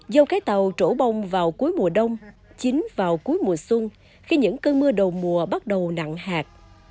dâu cái tàu trổ bông vào cuối mùa đông chín vào cuối mùa xuân khi những cơn mưa đầu mùa bắt đầu nặng hạt